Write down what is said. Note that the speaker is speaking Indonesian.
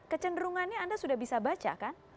kecenderungannya anda sudah bisa baca kan